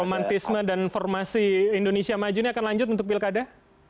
romantisme dan formasi indonesia maju ini akan lanjut untuk pilkada